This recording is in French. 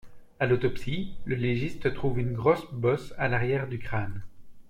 À l’autopsie, le légiste trouve une grosse bosse à l’arrière du crâne.